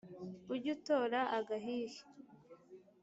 Ujye utora agahihi